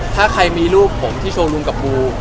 ถ้าใครมีรูปผมที่โชว์รูมกับบู